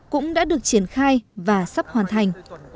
cũng đã được triển khai và sắp hoàn thành